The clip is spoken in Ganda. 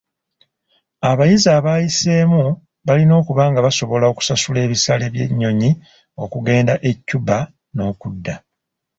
Abayizi abayiseemu balina okuba nga basobola okusasula ebisale by'ennyonyi okugenda e Cuba n'okudda.